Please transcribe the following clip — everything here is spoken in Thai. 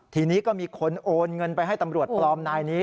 ทีนี้ก็มีคนโอนเงินไปให้ตำรวจปลอมนายนี้